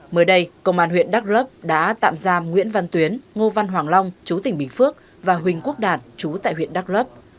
mới đây công an huyện đắk lấp đã tạm giam nguyễn văn tuyến ngô văn hoàng long chú tỉnh bình phước và huỳnh quốc đạt chú tại huyện đắk lấp